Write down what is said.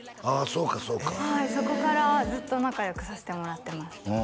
そうかそうかはいそこからずっと仲よくさせてもらってます